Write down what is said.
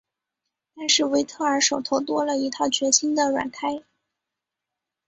但是维特尔手头多了一套全新的软胎。